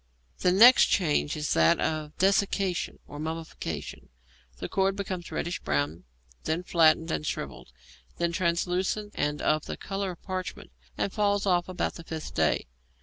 The next change is that of desiccation or mummification; the cord becomes reddish brown, then flattened and shrivelled, then translucent and of the colour of parchment, and falls off about the fifth day.